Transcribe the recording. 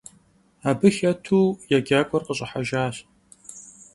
Абы хэту егъэджакӏуэр къыщӀыхьэжащ.